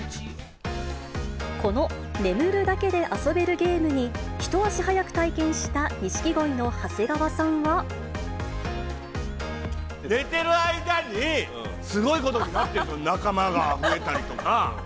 この眠るだけで遊べるゲームに、一足早く体験した、寝てる間にすごいことになってるんですよ、仲間が増えたりとか。